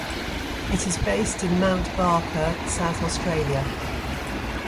It is based in Mount Barker, South Australia.